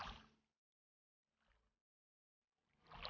ibu selalu ada di sebelah kamu